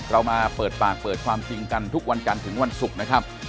เรามาเปิดปากเปิดความจริงกันทุกวันจันทร์ถึงวันศุกร์นะครับ